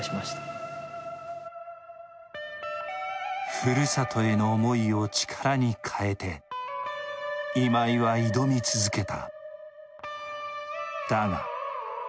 ふるさとへの思いを力に変えて、今井は挑み続けた。